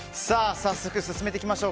早速進めていきましょう。